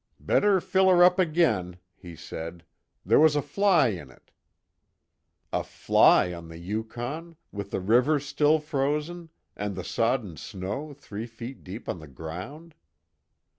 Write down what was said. "Better fill her up again," he said, "There was a fly in it." A fly on the Yukon, with the rivers still frozen, and the sodden snow three feet deep on the ground!